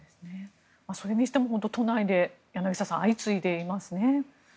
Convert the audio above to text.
それにしても都内で、柳澤さん相次いでいますね。